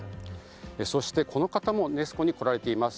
そして、この方もネス湖に来られています。